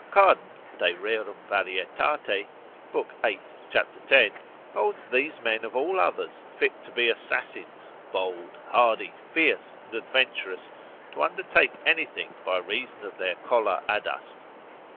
Cardan de rerum var. lib. 8. cap. 10. holds these men of all others fit to be assassins, bold, hardy, fierce, and adventurous, to undertake anything by reason of their choler adust.